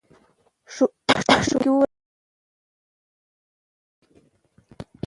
ښوونکي وویل چې پښتو ځانګړي غږونه لري.